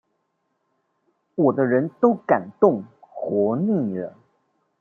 我的人都敢動，活膩了？